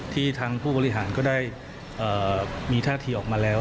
ทางผู้บริหารก็ได้มีท่าทีออกมาแล้ว